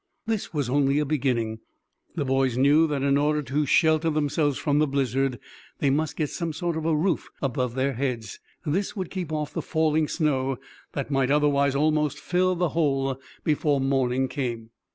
This was only a beginning. The boys knew that in order to shelter themselves from the blizzard they must get some sort of roof above their heads. This would keep off the falling snow that might otherwise almost fill the hole before morning came.